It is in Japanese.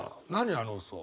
あの嘘。